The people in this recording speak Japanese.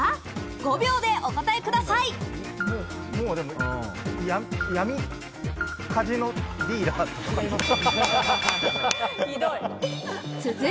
５秒でお答えください。